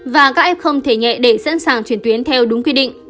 và các f thể nhẹ để sẵn sàng chuyển tuyến theo đúng quy định